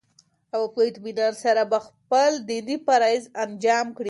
او په اطمينان سره به خپل ديني فرايض انجام كړي